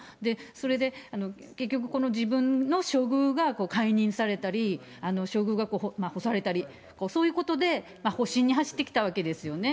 それで結局、この自分の処遇が解任されたり、処遇が干されたり、そういうことで、保身に走ってきたわけですよね。